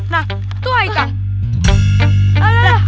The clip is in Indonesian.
nah itu haikal